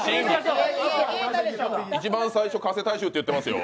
一番最初、加勢大周って言ってますよ。